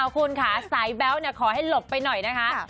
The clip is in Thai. คุณค่ะสายแบ๊วขอให้หลบไปหน่อยนะคะ